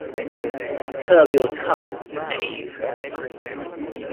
Curb Your Tongue, Knave!